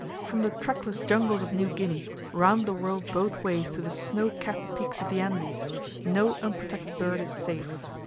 From the trackless jungles of New Guinea, round the world both ways to the snow capped peaks of the Andes, no unprotected bird is safe.